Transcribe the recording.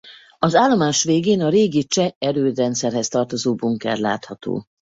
Az állomás végén a régi cseh-erődrendszerhez tartozó bunker látható.